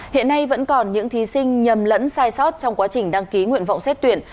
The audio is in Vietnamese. hiện nay vẫn còn những thí sinh nhầm lẫn sai sót trong quá trình đăng ký nguyện vọng xét tuyển